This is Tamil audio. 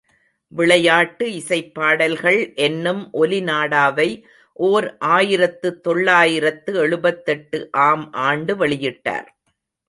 விளையாட்டு இசைப் பாடல்கள் என்னும் ஒலி நாடாவை ஓர் ஆயிரத்து தொள்ளாயிரத்து எழுபத்தெட்டு ஆம் ஆண்டு வெளியிட்டார்.